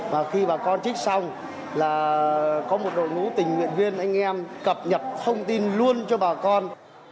và khi bà con trích xong là có một đội ngũ tình nguyện viên anh em cập nhật thông tin luôn cho bà con